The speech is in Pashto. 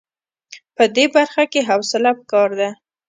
په دې برخه کې حوصله په کار ده.